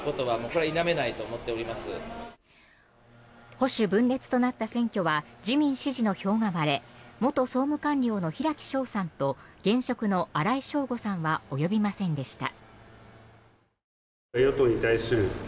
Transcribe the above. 保守分裂となった選挙は自民支持の票が割れ元総務官僚の平木省さんと現職の荒井正吾さんは及びませんでした。